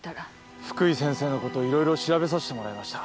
福井先生のこと色々調べさせてもらいました。